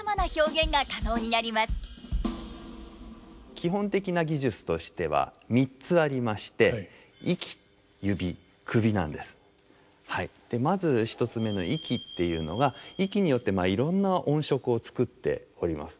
基本的な技術としては３つありましてまず１つ目の息っていうのが息によっていろんな音色を作っております。